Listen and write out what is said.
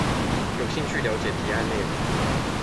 有興趣了解提案內容